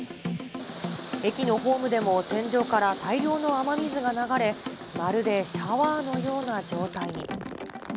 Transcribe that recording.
駅のホームでも天井から大量の雨水が流れ、まるでシャワーのような状態に。